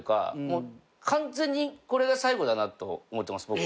完全にこれが最後だなと思ってます